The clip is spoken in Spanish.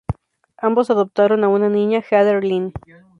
Ambos adoptaron a una niña Heather Lyn.